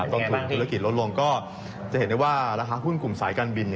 ต้นทุนธุรกิจลดลงก็จะเห็นได้ว่าราคาหุ้นกลุ่มสายการบิน